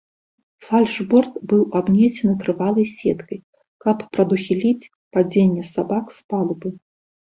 Фальшборт быў абнесены трывалай сеткай, каб прадухіліць падзенне сабак з палубы.